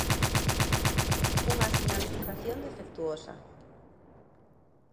Unha sinalización defectuosa.